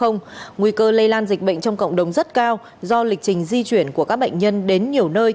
nguy cơ lây lan dịch bệnh trong cộng đồng rất cao do lịch trình di chuyển của các bệnh nhân đến nhiều nơi